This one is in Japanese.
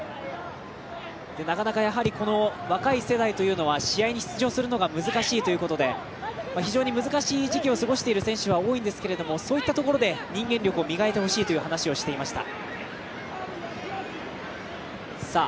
なかなか、若い世代というのは試合に出場するのが非常に難しいというところで非常に難しい時期を過ごしている選手が多いんですけどもそういったところで人間力を磨いてほしいという話をしていました。